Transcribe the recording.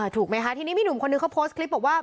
ถูกไหมคะทีนี้มีหนุ่มคนนึงเขาโพสต์คลิปบอกว่า